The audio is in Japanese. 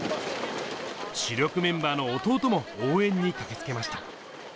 主力メンバーの弟も応援に駆けつけました。